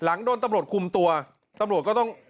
โดนตำรวจคุมตัวตำรวจก็ต้อง